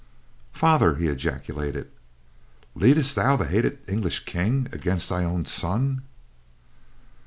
"Father!" he ejaculated, "leadest thou the hated English King against thine own son?"